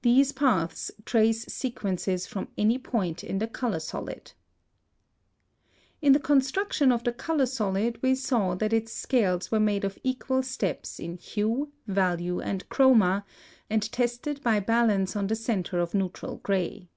+These paths trace sequences from any point in the color solid.+ (163) In the construction of the color solid we saw that its scales were made of equal steps in hue, value, and chroma, and tested by balance on the centre of neutral gray.